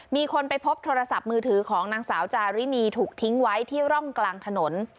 มีคนไปพบโทรศัพท์มือถือของนางสาวจารินีถูกทิ้งไว้ที่ร่องกลางถนน